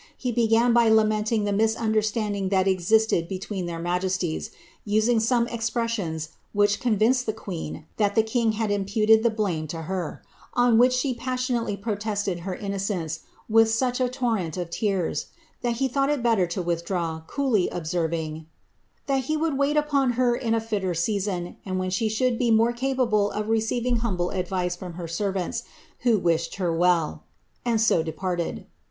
He began by lamenting the misun l that existed between their majesties, using some expressions ivinced the queen that the king had imputed the olame to hich she passionately protested her innocence, with such a tears, that he thought it better to withdraw, coolly observing, rould wait upon her in a fitter season, and when she should apable of receiving humble advice from her servants, who r well," and so departed.